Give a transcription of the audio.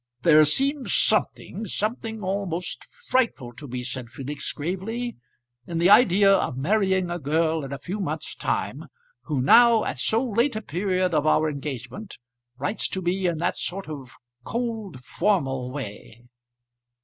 "There seems something something almost frightful to me," said Felix gravely, "in the idea of marrying a girl in a few months' time, who now, at so late a period of our engagement, writes to me in that sort of cold, formal way."